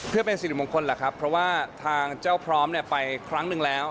เพื่อเป็นสิริมงคลแหละครับเพราะว่าทางเจ้าพร้อมไปครั้งหนึ่งแล้ว